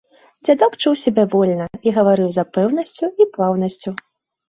Дзядок чуў сябе вольна і гаварыў з пэўнасцю і плаўнасцю.